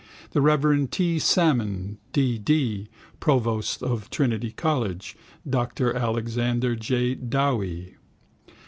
the reverend T. Salmon, D. D., provost of Trinity college, Dr Alexander J. Dowie.